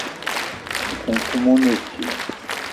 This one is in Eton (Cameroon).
Nkoukouma one djinn.